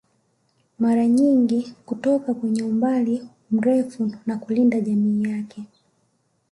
Mara nyingi kutoka kwenye umbali mrefu na kulinda jamii yake